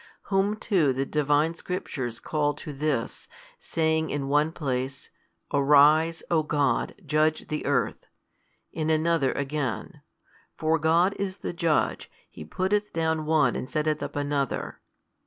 Whom too the Divine Scriptures call to this, saying in one place, Arise, O God, judge the earth, in another again, For God is the Judge, He putteth down one and setteth up another.